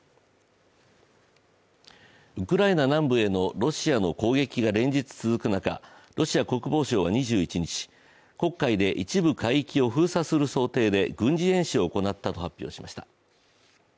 ウクライナ南部へのロシアの攻撃が連日続く中、ロシア国防省は２１日、黒海で一部海域を封鎖する想定で軍事演習を行ったと発表しました。